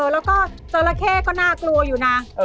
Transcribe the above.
แล้วก็จราเข้ก็น่ากลัวอยู่นะ